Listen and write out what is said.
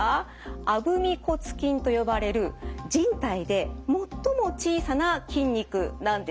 アブミ骨筋と呼ばれる人体で最も小さな筋肉なんです。